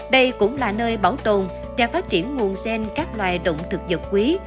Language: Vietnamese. đây cũng là nơi bảo tồn và phát triển nguồn xen các loài động thực dật quý